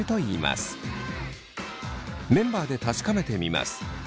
メンバーで確かめてみます。